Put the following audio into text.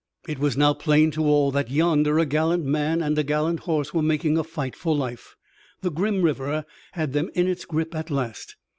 It was now plain to all that yonder a gallant man and a gallant horse were making a fight for life. The grim river had them in its grip at last.